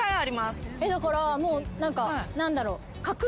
だからもう何か何だろう。